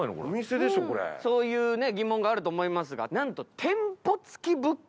そういう疑問があると思いますが、店舗付き物件。